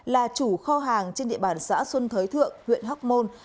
là chủ kho hàng trên địa bàn xã xuân thới thượng huyện hóc môn